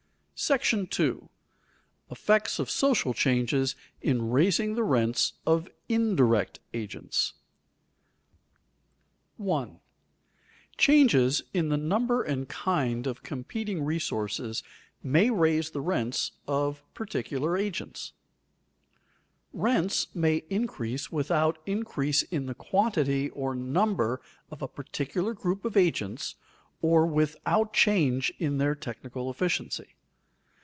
§ II. EFFECTS OF SOCIAL CHANGES IN RAISING THE RENTS OF INDIRECT AGENTS [Sidenote: Effect of decrease of the competing agents] 1. Changes in the number and kind of competing resources may raise the rents of particular agents. Rents may increase without increase in the quantity or number of a particular group of agents or without change in their technical efficiency.